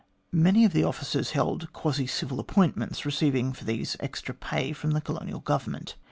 Many of the officers held quasi civil appointments, receiving for these extra pay from the Colonial Government.